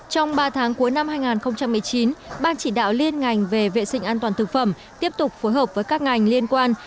trong ba tháng cuối năm hai nghìn một mươi chín ban chỉ đạo liên ngành về vệ sinh an toàn thực phẩm tiếp tục phối hợp với các ngành liên quan